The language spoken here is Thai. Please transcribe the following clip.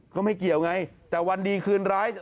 ก็ไม่เกี่ยวไงแต่วันดีคืนร้าย